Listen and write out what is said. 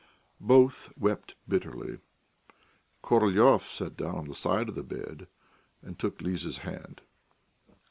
Both wept bitterly. Korolyov sat down on the side of the bed and took Liza's hand.